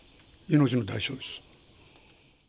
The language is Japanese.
命の代償です。